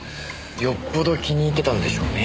よっぽど気に入ってたんでしょうね。